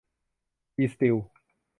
จี สตีล